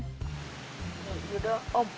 ya udah om